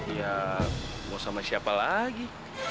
ya mau sama siapa lagi